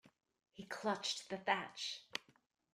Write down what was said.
He clutched the thatch.